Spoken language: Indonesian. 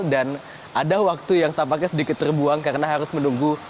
ada waktu yang tampaknya sedikit terbuang karena harus menunggu